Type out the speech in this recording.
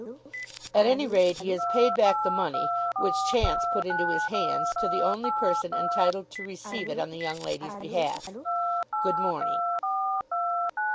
"At any rate he has paid back the money, which chance put into his hands, to the only person entitled to receive it on the young lady's behalf. Good morning."